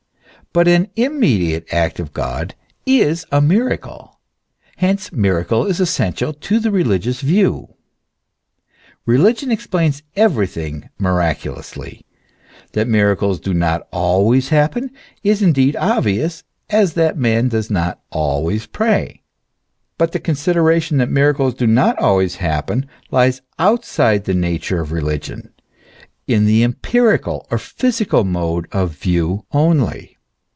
But an immediate act of God is a miracle ; hence miracle is essential to the religious view. Keligion explains everything miraculously. That miracles do not always happen, is indeed obvious, as that man does not always pray. But the consideration that miracles do not always happen, lies outside the nature of religion, in the empirical or physical mode of view only.